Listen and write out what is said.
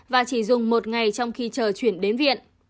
và chỉ dùng một ngày trong khi chờ chuyển đến viện